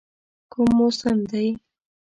کوم موسم دی؟